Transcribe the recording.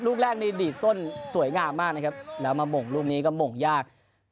ลูกแรกนี่ดีดส้นสวยงามมากนะครับแล้วมาหม่งลูกนี้ก็หม่งยาก